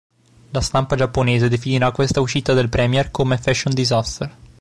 La stampa giapponese definirà questa uscita del premier come "Fashion Disaster".